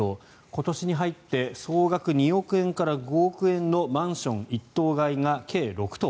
今年に入って総額２億円から５億円のマンション１棟買いが計６棟。